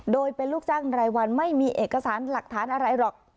โดยเป็นลูกจ้างรายวันไม่มีเอกสารหลักฐานอะไรหรอก